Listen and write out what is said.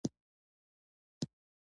پوره یو ساعت مو خوږ بنډار وکړ.